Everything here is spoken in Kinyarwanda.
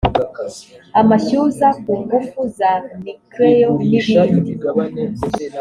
amashyuza ku ngufu za nuclear n’ ibindi